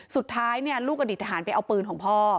สุดท้ายลูกอดีตทหารไปเอาปืนของพ่อ